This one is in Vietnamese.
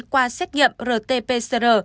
qua xét nghiệm rt pcr